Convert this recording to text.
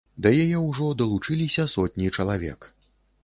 Да яе ўжо далучыліся сотні чалавек.